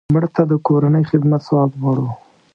مړه ته د کورنۍ خدمت ثواب غواړو